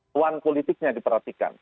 tuan politiknya diperhatikan